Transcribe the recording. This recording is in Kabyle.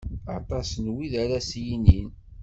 Aṭas n wid ara d as-yinin.